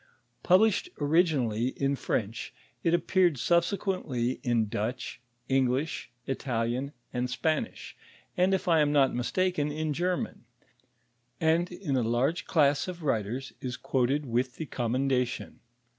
Published originally in French, it appeared subsequently in Dutch, English, Italian, and Spanish, and if 1 am not mistaken in German ; and in a large class of writers is quoted with the coramendatiou.